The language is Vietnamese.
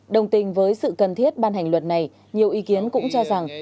đồng tình với sự cần thiết ban hành luật này nhiều ý kiến cũng cho rằng